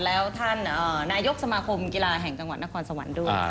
แล้วท่านนายกสมาคมกีฬาแห่งจังหวัดนครสวรรค์ด้วย